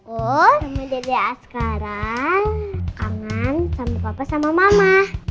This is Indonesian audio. oh sama dada askaran kangen sama papa sama mama